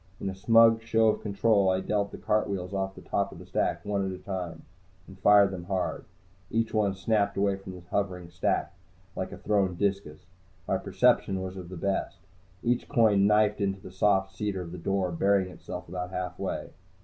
In a smug show of control, I dealt the cartwheels off the top of the stack, one at a time, and fired them hard. Each one snapped away from the hovering stack, like a thrown discus. My perception was of the best. Each coin knifed into the soft cedar of the door, burying itself about halfway.